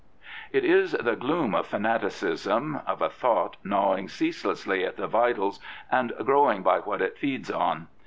It is the gloom of fanaticism, of a thought gnawing ceaselessly at the vitals, and growing by what it feeds on.